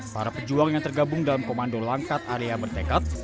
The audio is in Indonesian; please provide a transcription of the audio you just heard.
para pejuang yang tergabung dalam komando langkat area bertekad